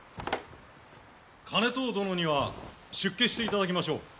兼遠殿には出家していただきましょう。